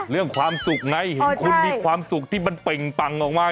เรื่องความสุขไงเห็นคุณมีความสุขที่มันเป่งปังออกมา